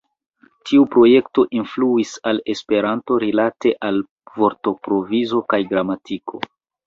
Tiu projekto influis al Esperanto rilate al vortprovizo kaj gramatiko.